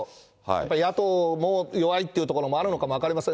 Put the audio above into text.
やっぱり野党も弱いというところもあるのかも分かりません。